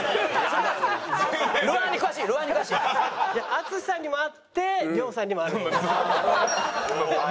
淳さんにもあって亮さんにもあるもの。